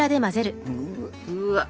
うわっ！